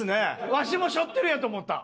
わしも背負ってるやと思った。